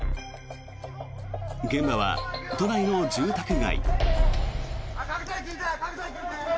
現場は都内の住宅街。